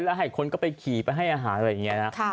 แล้วให้คนก็ไปขี่ไปให้อาหารอะไรอย่างนี้นะ